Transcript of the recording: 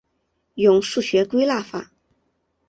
用数学归纳法。